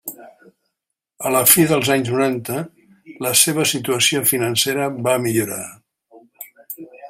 A la fi dels anys noranta la seva situació financera va millorar.